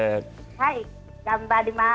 はい、頑張ります。